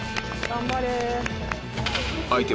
・頑張れ！